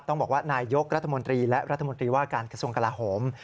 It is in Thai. ต้องบอกว่านายยกรัฐมนตรีและรัฐมนตรีว่าการกระทรวงกลาโหม